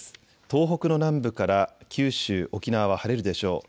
東北の南部から九州・沖縄は晴れるでしょう。